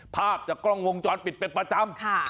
ภาพจากกล้องวงจรปิดเป็นประจำ